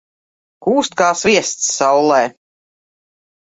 Kūst kā sviests saulē.